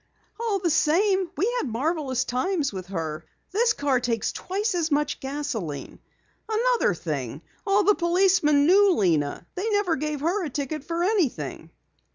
"All the same, we had marvelous times with her. This car takes twice as much gasoline. Another thing, all the policemen knew Lena. They never gave her a ticket for anything."